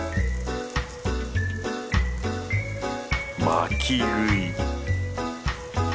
巻き食い